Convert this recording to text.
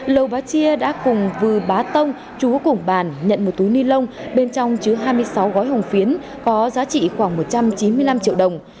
lầu bá chia đã cùng vừ bá tông chú cùng bàn nhận một túi ni lông bên trong chứa hai mươi sáu gói hồng phiến có giá trị khoảng một trăm chín mươi năm triệu đồng